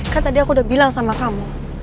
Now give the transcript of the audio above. kan tadi aku udah bilang sama kamu